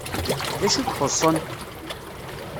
Dacu i ixuṣṣen?